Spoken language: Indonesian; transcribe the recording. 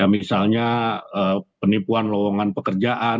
misalnya penipuan lowongan pekerjaan